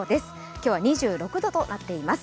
今日は２６度となっています。